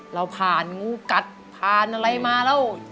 เราผ่านงูกัดผ่านอะไรมาแล้ว